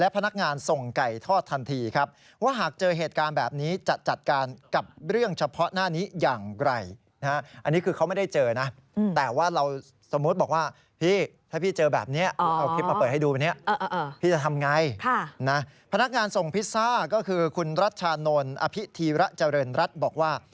พนักงานส่งพิซซ่าก็คือคุณรัชชานนท์อภิษฐีระเจริญรัฐบอกว่า